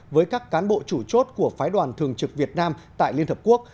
với các cán bộ chủ chốt của phái đoàn thường trực việt nam tại liên hợp quốc